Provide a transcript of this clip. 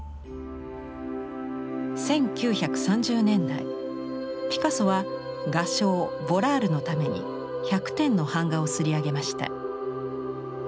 １９３０年代ピカソは画商ヴォラールのために１００点の版画を刷り上げました。